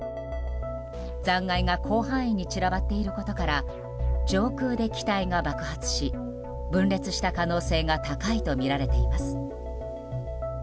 残骸が広範囲に散らばっていることから上空で機体が爆発し分裂した可能性が高いとみられています。